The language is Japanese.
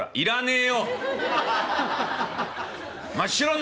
え？